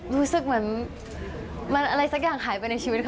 รู้สึกเหมือนมันอะไรสักอย่างหายไปในชีวิตค่ะ